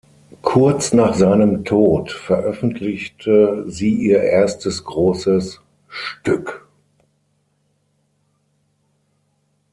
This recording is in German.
Kurz nach seinem Tod veröffentlichte sie ihr erstes großes Stück.